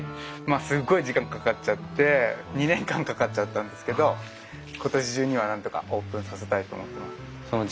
まあすっごい時間かかっちゃって２年間かかっちゃったんですけど今年中にはなんとかオープンさせたいと思ってます。